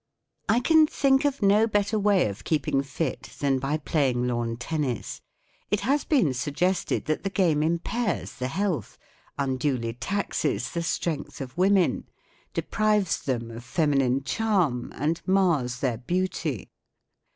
I can think of no better way of keep¬ ing fit than by play¬ ing lawn tennis. It has been suggested that the game impairs the health, unduly taxes the strength of women, deprives them of feminine charm, and mars their beauty.